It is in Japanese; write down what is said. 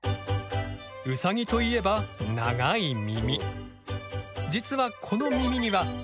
ウサギといえば長い耳。